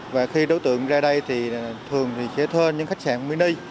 và khi đối tượng ra đây thì thường thì sẽ thuê những khách sạn mini